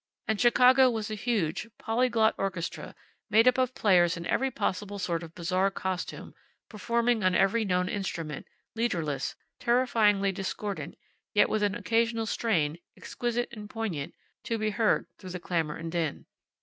And Chicago was a huge, polyglot orchestra, made up of players in every possible sort of bizarre costume, performing on every known instrument, leaderless, terrifyingly discordant, yet with an occasional strain, exquisite and poignant, to be heard through the clamor and din.